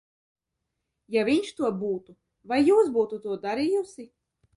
Ja viņš to būtu, vai jūs būtu to darījusi?